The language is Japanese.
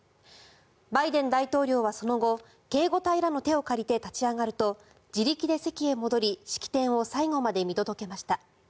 バイデン大統領はその後、警護隊らの手を借りて立ち上がると自力で席へ戻り式典を最後まで見届けました。